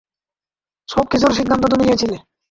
সবকিছুর সিদ্ধান্ত তুমি নিয়েছিলে।